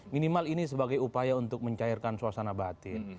minimal ini sebagai upaya untuk mencairkan suasana batin